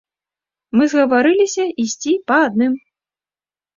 Мы згаварыліся ісці па адным.